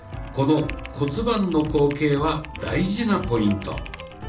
この骨盤の後傾は大事なポイント。